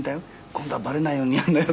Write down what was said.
「今度はバレないようにやるんだよ」